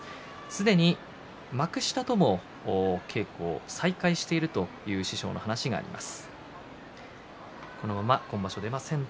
すでに幕下との稽古を再開しているという師匠の話があります。